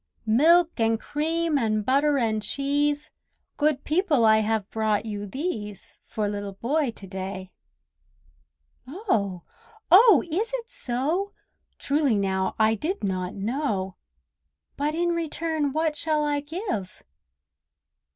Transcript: "Milk and cream and butter and cheese, Good people, I have brought you these For Little Boy to day." Oh! oh! is it so? Truly now, I did not know! But in return what shall I give?